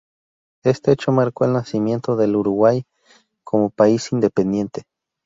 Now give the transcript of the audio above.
Este hecho marcó el nacimiento del Uruguay como país independiente.